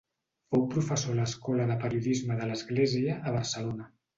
Fou professor a l'Escola de Periodisme de l'Església, a Barcelona.